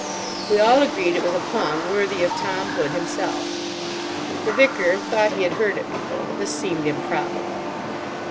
We all agreed it was a pun worthy of Tom Hood himself. The Vicar thought he had heard it before, but this seemed improbable.